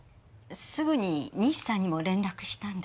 すぐに西さんにも連絡したんです。